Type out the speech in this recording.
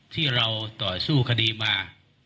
ที่เราต่อสู้คดีมา